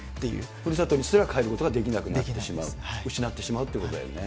ふるさとにすら帰ることができなくなってしまう、失ってしまうということだよね。